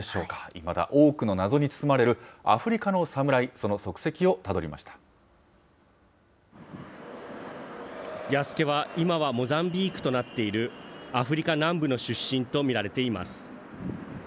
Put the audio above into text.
いまだ多くの謎に包まれるアフリカのサムライ、その足跡をたどり弥助は、今はモザンビークとなっている、アフリカ南部の出身と見られています。